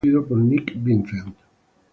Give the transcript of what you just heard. El álbum fue producido por Nick Vincent.